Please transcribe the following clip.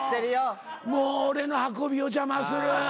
もう俺の運びを邪魔する。